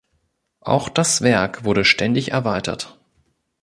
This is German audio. Auch das Werk wurde ständig erweitert.